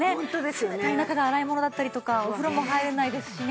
冷たい中の洗い物だったりとかお風呂も入れないですしね。